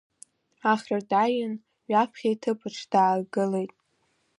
Ахра дааин, ҩаԥхьа иҭыԥаҿ даагылеит.